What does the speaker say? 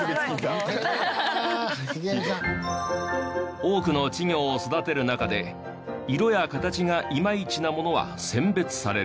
多くの稚魚を育てる中で色や形がイマイチなものは選別される。